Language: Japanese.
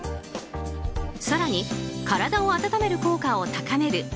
更に体を温める効果を高める